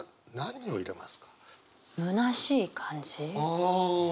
ああ。